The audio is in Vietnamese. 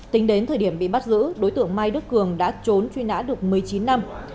tính đến thời điểm bị bắt giữ đối tượng mai đức cường đã trốn truy nã được một mươi chín năm